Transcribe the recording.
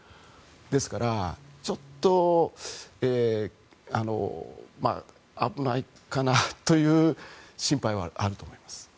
ですから、ちょっと危ないかなという心配はあると思います。